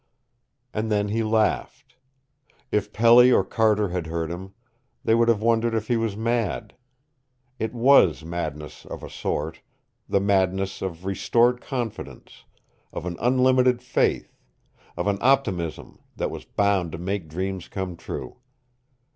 And then he laughed. If Pelly or Carter had heard him, they would have wondered if he was mad. It was madness of a sort the madness of restored confidence, of an unlimited faith, of an optimism that was bound to make dreams come true.